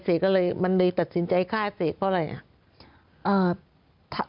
เสก็เลยมันเลยตัดสินใจฆ่าเสกเพราะอะไรอ่ะ